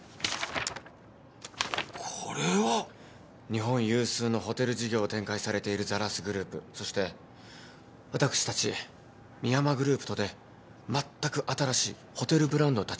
日本有数のホテル事業を展開されているザラスグループそして私たち深山グループとでまったく新しいホテルブランドを立ち上げたいのです。